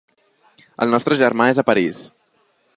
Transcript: El nostre germà és a París.